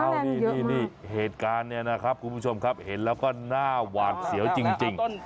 นี่เหตุการณ์เนี่ยนะครับคุณผู้ชมครับเห็นแล้วก็หน้าหวาดเสียวจริง